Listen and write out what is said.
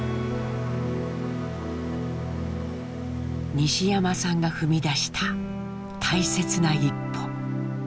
西山さんが踏み出した大切な一歩。